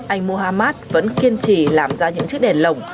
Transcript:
anh muhammad vẫn kiên trì làm ra những chiếc đèn lồng